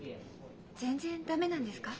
全然駄目なんですか？